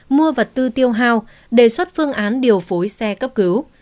mua vật tư tiêu hao đề xuất phương án điều phối xe cấp cứu